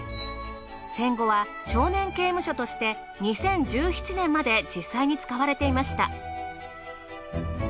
戦後は少年刑務所として２０１７年まで実際に使われていました。